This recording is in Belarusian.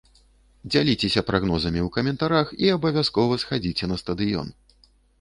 Дзяліцеся прагнозамі ў каментарах і абавязкова схадзіце на стадыён!